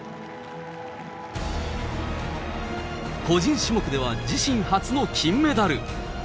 個人種目では自身初の金メダル。